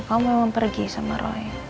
kamu memang pergi sama roy